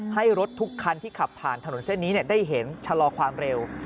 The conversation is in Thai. ให้รถทุกคันที่ขับผ่านถนนเส้นนี้ได้เห็นชะลอความเร็ว